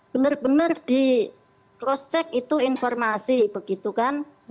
benar benar di cross check itu informasi begitu kan